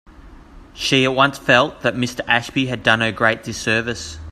She at once felt that Mr Ashby had done her a great disservice.